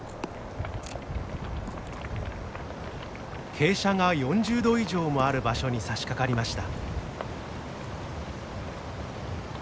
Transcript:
傾斜が４０度以上もある場所にさしかかりました。